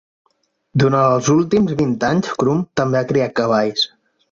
Durant els últims vint anys, Crum també ha criat cavalls.